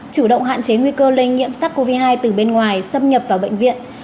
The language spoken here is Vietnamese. chủ động hạn chế nguy cơ lây nhiễm sars cov hai từ bên ngoài xâm nhập vào bệnh viện